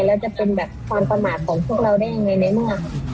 แล้วจะเป็นแบบความประมาทของพวกเราได้ยังไงในเมื่อ